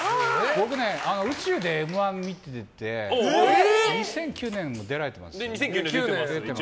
僕ね、宇宙で「Ｍ‐１」見てて２００９年出られてますよね。